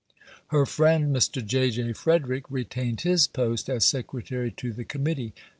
Her friend Mr. J. J. Frederick retained his post as Secretary to the Committee.